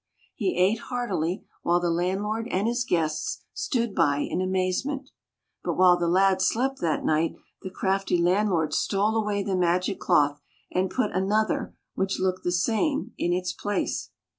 He ate heartily, wliile the landlord and his guests stood by in amazement. But while the lad slept that night, the crafty landlord stole away the magic cloth, and put another, which looked the same, in its place.